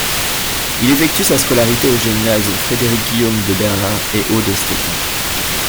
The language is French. Il effectue sa scolarité au gymnase Frédéric-Guillaume de Berlin et au de Stettin.